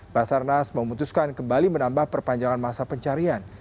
basarnas memutuskan kembali menambah perpanjangan masa pencarian